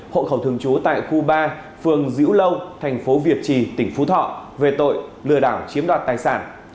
hộ khẩu thường trú tại khu ba phường diễu lâu thành phố việt trì tỉnh phú thọ về tội lừa đảo chiếm đoạt tài sản